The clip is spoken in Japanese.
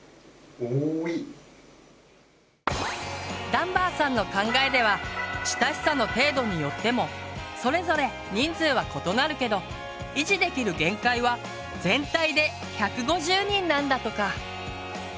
ダンバーさんの考えでは親しさの程度によってもそれぞれ人数は異なるけど維持できる限界は全体で１５０人なんだとか。